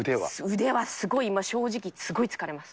腕は今、正直、すごい疲れます。